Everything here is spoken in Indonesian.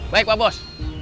baik pak bos